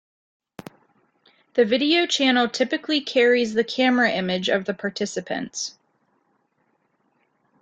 The video channel typically carries the camera image of the participants.